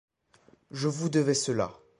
Je vous devais cela.